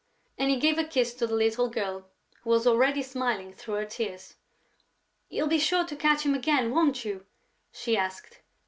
And he gave a kiss to the little girl, who was already smiling through her tears: "You'll be sure to catch him again, won't you?" she asked.